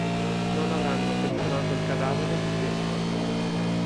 Non avranno sezionato il cadavere lì dentro!